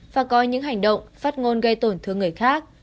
và có những hành động phát ngôn gây tổn thương người khác